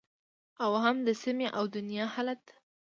او هم د سیمې او دنیا حالت